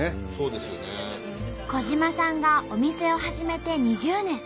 小嶋さんがお店を始めて２０年。